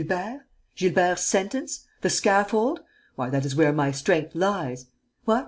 Gilbert? Gilbert's sentence? The scaffold? Why, that is where my strength lies! What!